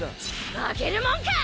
負けるもんか！